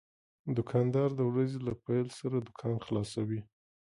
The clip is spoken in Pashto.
دوکاندار د ورځې له پېل سره دوکان خلاصوي.